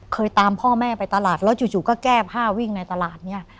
ตามพ่อแม่ไปตลาดแล้วจู่ก็แก้ผ้าวิ่งในตลาดเนี่ย